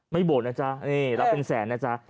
โบสถนะจ๊ะนี่รับเป็นแสนนะจ๊ะ